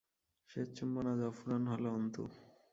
শেষ চুম্বন আজ অফুরান হল অন্তু।